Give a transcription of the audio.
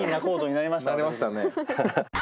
なりましたね。